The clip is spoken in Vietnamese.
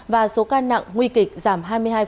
và số ca nặng nguy kịch giảm hai mươi hai